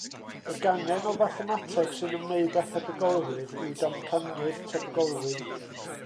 Y gangen o fathemateg sy'n ymwneud â thebygolrwydd yw damcaniaeth tebygolrwydd.